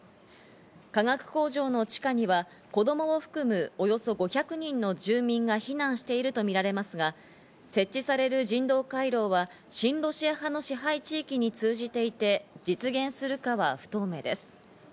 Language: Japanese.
化学工場の地下には子供含むおよそ５００人の住民が避難していると見られますが、設置される人道回廊は親ロシア派の支配地域に通じていて、実現するかは不透明です。